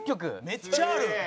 めっちゃある！